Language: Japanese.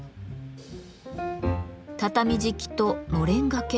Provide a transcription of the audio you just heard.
畳敷きとのれん掛け